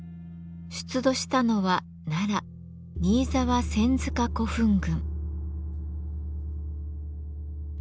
出土したのは奈良新沢千塚古墳群。